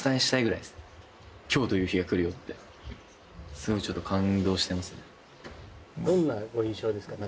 すごいちょっと感動してますね。